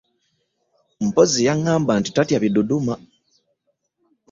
Mpozzi yaŋŋamba nti tatya biduduma?